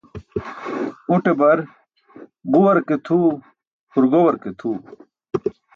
Uṭe bar, "ġuwar ke tʰuw, hurgowar ke tʰuw".